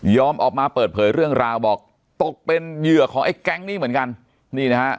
ออกมาเปิดเผยเรื่องราวบอกตกเป็นเหยื่อของไอ้แก๊งนี้เหมือนกันนี่นะฮะ